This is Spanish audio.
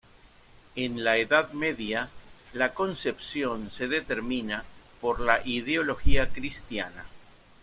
En la Edad Media, la concepción se determina por la ideología cristiana.